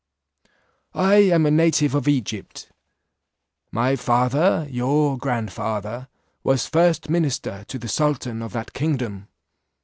"I am a native of Egypt; my father, your grandfather, was first minister to the sultan of that kingdom.